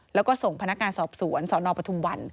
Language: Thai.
แล้วก็ส่งพนักงานสอบสวนสนปทุมวัน